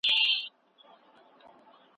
خدمات د نوي نظام د ضرورت لپاره وړاندې کیږي.